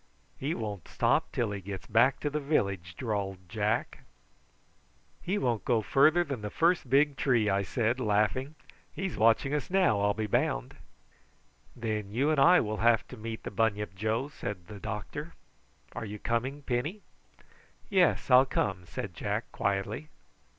"He won't stop till he gets back to the village," drawled Jack. "He won't go farther than the first big tree," I said, laughing. "He's watching us now, I'll be bound." "Then you and I will have to meet the bunyip, Joe," said the doctor. "Are you coming, Penny?" "Yes, I'll come," said Jack quietly.